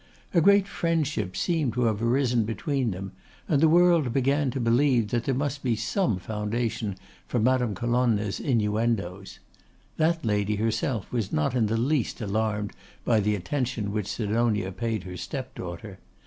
A great friendship seemed to have arisen between them, and the world began to believe that there must be some foundation for Madame Colonna's innuendos. That lady herself was not in the least alarmed by the attention which Sidonia paid her step daughter.